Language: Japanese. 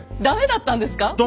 駄目だったんですか？